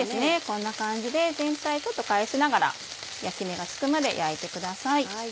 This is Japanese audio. こんな感じで全体ちょっと返しながら焼き目がつくまで焼いてください。